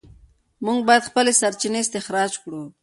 موږ باید خپلې سرچینې استخراج کړو.